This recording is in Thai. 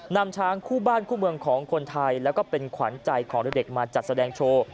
นำช้างคู่บ้านคู่เมืองของคนไทยแล้วก็เป็นขวัญใจของเด็กมาจัดแสดงโชว์